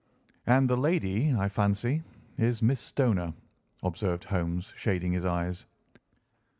"And the lady, I fancy, is Miss Stoner," observed Holmes, shading his eyes.